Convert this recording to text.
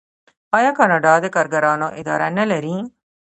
آیا کاناډا د کارګرانو اداره نلري؟